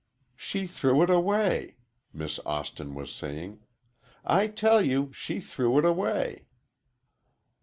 "She threw it away!" Miss Austin was saying; "I tell you she threw it away!"